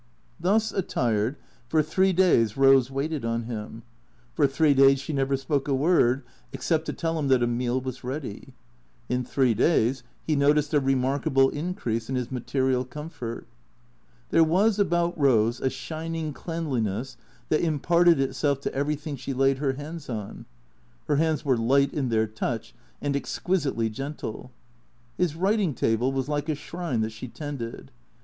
Thus attired, for three days Eose waited on him. For three THECREATORS 21 days she never spoke a word except to tell him that a meal was ready. In three days he noticed a remarkable increase in his material comfort. There was about Rose a shining cleanliness that im parted itself to everything she laid her hands on. (Her hands were light in their touch and exquisitely gentle.) His writing table was like a shrine that she tended.